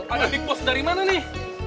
ada big boss dari mana nih